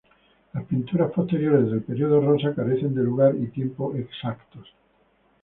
Las pinturas posteriores del período rosa carecen de lugar y tiempo exactos.